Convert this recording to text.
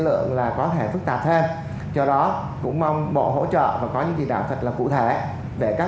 lượng là có thể phức tạp thêm do đó cũng mong bộ hỗ trợ và có những chỉ đạo thật là cụ thể về các